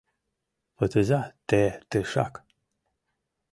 Пытыза те тышак!